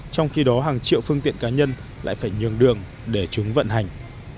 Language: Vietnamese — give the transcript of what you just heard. trong khi đó hàng triệu phương tiện cá nhân lại phải nhường đường để chúng vận hành